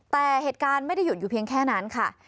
แต่เหตุการณ์ไม่ได้หยุดอยู่เพียงแค่นั้นค่ะ